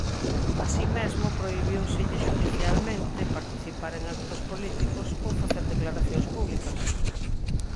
Así mesmo prohibíuselle xudicialmente participar en actos políticos ou facer declaracións públicas.